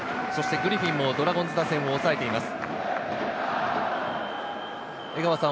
そしてグリフィンもドラゴンズ打線を抑えています。